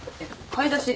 買い出し。